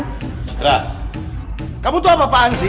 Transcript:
citra kamu itu apa apaan sih